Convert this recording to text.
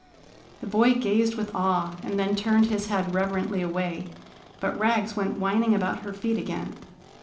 The boy gazed with awe, and then turned his head reverently away. But Rags went whining about her feet again.